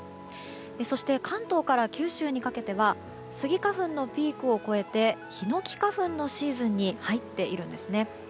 そして関東から九州にかけてはスギ花粉のピークを越えてヒノキ花粉のシーズンに入っているんですね。